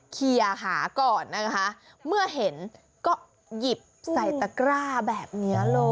เคลียร์หาก่อนนะคะเมื่อเห็นก็หยิบใส่ตะกร้าแบบนี้เลย